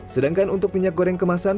sedangkan untuk minyak goreng kemasan